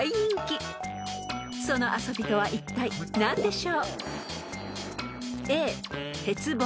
［その遊びとはいったい何でしょう？］